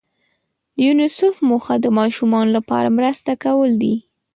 د یونیسف موخه د ماشومانو لپاره مرسته کول دي.